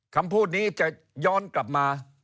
คำพูดนี้จะย้อนกลับมา